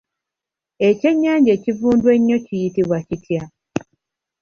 Ekyennyanja ekivundu ennyo kiyitibwa kitya?